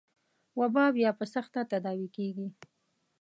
وبا بيا په سخته تداوي کېږي.